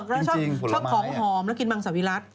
เพราะชอบของหอมแล้วกินมังสวิรัติ